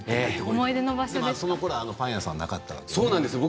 そのころパン屋さんはなかったんですよね。